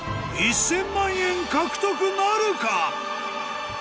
１０００万円獲得なるか？